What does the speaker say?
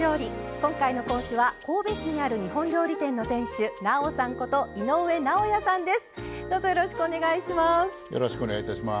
今回の講師は神戸市にある日本料理店の店主なおさんこと、上野直哉さんです。